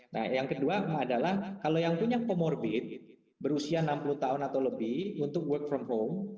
nah yang kedua adalah kalau yang punya comorbid berusia enam puluh tahun atau lebih untuk work from home